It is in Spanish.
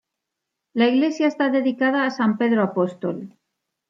La iglesia está dedicada a San Pedro Apóstol.